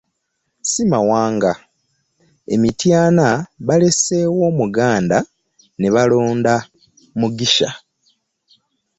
Si mawanga, e Mityana baaleseewo omuganda ne bagenda ne Mugisha.